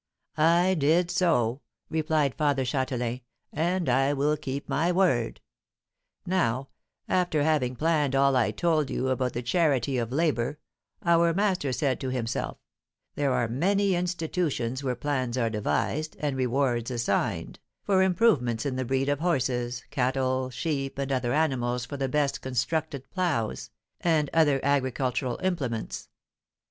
"I did so," replied Father Châtelain, "and I will keep my word. Now, after having planned all I told you about the charity of labour, our master said to himself, 'There are many institutions where plans are devised, and rewards assigned, for improvements in the breed of horses, cattle, sheep, and other animals for the best constructed ploughs, and other agricultural implements.